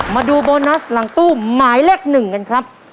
มาดูโบนัสหลังตู้หมายเลข๑กันครับ